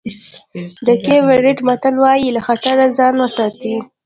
د کېپ ورېډ متل وایي له خطره ځان وساتئ.